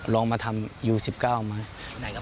ลองมาทำยู๑๙มั้ย